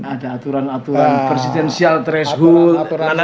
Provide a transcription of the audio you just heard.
ada aturan aturan presidensial threshold